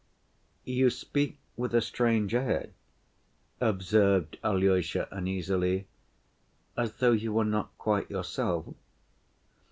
"You speak with a strange air," observed Alyosha uneasily, "as though you were not quite yourself."